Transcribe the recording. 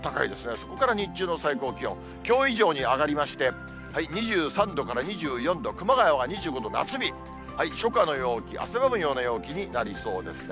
そこから日中の最高気温、きょう以上に上がりまして、２３度から２４度、熊谷は２５度、夏日、初夏の陽気、汗ばむような陽気になりそうですね。